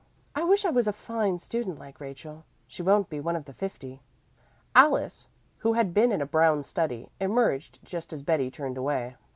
I wish I was a fine student like Rachel. She won't be one of the fifty." Alice, who had been in a brown study, emerged, just as Betty turned away.